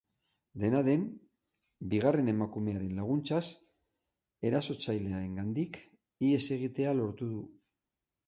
Dena den, bigarren emakumearen laguntzaz, erasotzailearengandik ihes egitea lortu du.